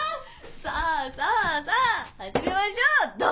さぁさぁさぁ始めましょう！